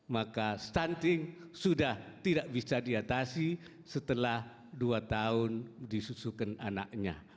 maka stunting sudah tidak bisa diatasi setelah dua tahun disusukan anaknya